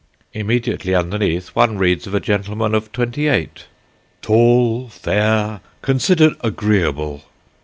Immediately underneath one reads of a gentleman of twenty eight, "tall, fair, considered agreeable."